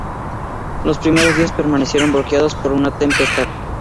Los primeros días permanecieron bloqueados por una tempestad.